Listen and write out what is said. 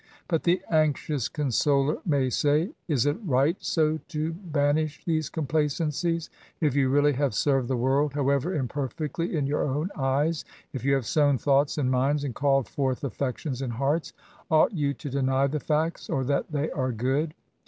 But, the anxious consoler may say. Is it right so to banish these complacendes ? If you really have served the world, however imperfectly in your own eyes — if you have sown thoughts in. minds, and called forth affections in hearts — ought you to deny the facts, or that they are good